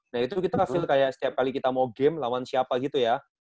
nah itu kita hasil kayak setiap kali kita mau game lawan siapa gitu ya